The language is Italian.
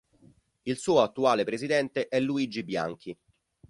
Il suo attuale presidente è Luigi Bianchi.